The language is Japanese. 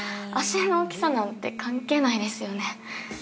足の大きさなんて関係ないですよね。